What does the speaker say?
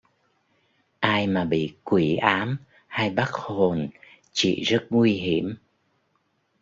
Ai mà bị quỷ ám hay bắt hồn chị rất nguy hiểm